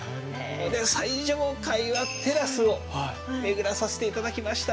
で最上階はテラスを巡らさせていただきました。